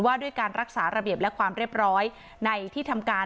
ด้วยการรักษาระเบียบและความเรียบร้อยในที่ทำการ